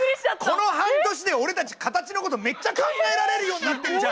この半年で俺たちカタチのことめっちゃ考えられるようになってんじゃん。